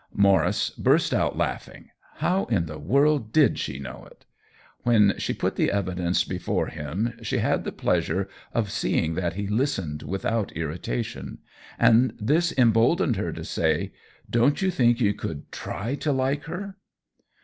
Maurice burst out laughing — how in the world did she know it ? When she put the evidence before him she had the pleasure of seeing that he listened without irritation ; and this emboldened her to say :" Don't you think you could try to like her